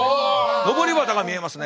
のぼり旗が見えますね。